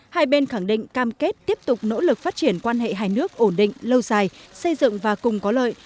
hai bên khẳng định cam kết tiếp tục nỗ lực phát triển quan hệ hai nước ổn định lâu dài xây dựng và cùng có lợi